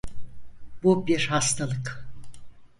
Bu bir hastalık.